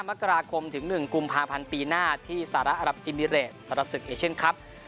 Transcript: มกราคมถึง๑กุมภาพันธ์ปีหน้าที่สหรัฐอรับกิมิเรตสำหรับศึกเอเชียนครับ